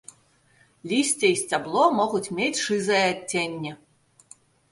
Лісце і сцябло могуць мець шызае адценне.